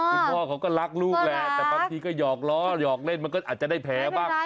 คุณพ่อเขาก็รักลูกแหละแต่บางทีก็หยอกล้อหยอกเล่นมันก็อาจจะได้แผลบ้าง